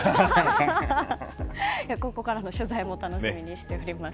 ここからの取材も楽しみにしております。